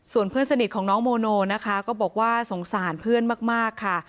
ส่วนเพื่อนสนิทของน้องโมโนนะคะก็บอกว่าสงสารเพื่อนมากค่ะ